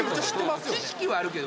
知識はあるけど。